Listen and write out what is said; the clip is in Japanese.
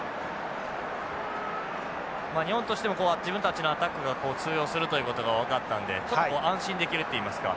日本としても自分たちのアタックが通用するということが分かったんでちょっとこう安心できるっていいますか。